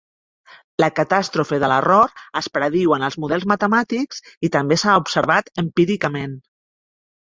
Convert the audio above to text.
La catàstrofe de l'error es prediu en els models matemàtics i també s'ha observat empíricament.